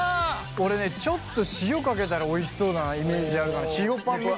俺ねちょっと塩かけたらおいしそうなイメージあるから塩パンみたいなイメージ。